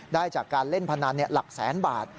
ได้จากการเล่นพนันหลักแสนบาท